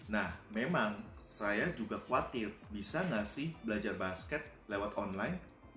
nah memang saya juga khawatir bisa nggak sih belajar basket lewat online